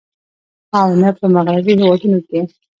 او نۀ په مغربي هېوادونو کښې